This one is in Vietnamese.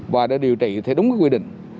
và đã điều trị đúng quy định